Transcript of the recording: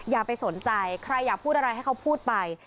อย่าไปสนใจใครอยากพูดอะไรให้เขาพูดไป